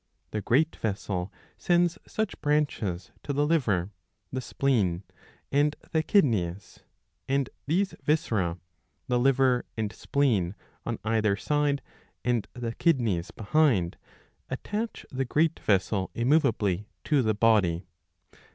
The great vessel sends such branches to the liver, the spleen, and the kidneys ; and these viscera — the liver and spleen on either side and the kidneys behind — attach the great vessel ^° immoveably to the body.